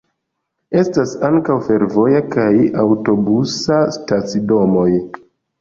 Estas ankaŭ fervoja kaj aŭtobusa stacidomoj.